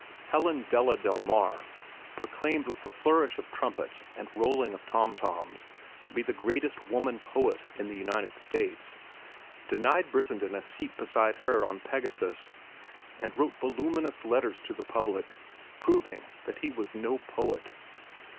Helen Della Delmar (proclaimed with a flourish of trumpets and rolling of tomtoms to be the greatest woman poet in the United States) denied Brissenden a seat beside her on Pegasus and wrote voluminous letters to the public, proving that he was no poet.